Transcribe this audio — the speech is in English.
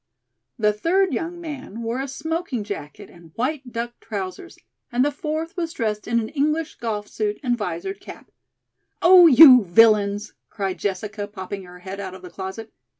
The third young man wore a smoking jacket and white duck trousers, and the fourth was dressed in an English golf suit and visored cap. "Oh, you villains!" cried Jessica, popping her head out of the closet.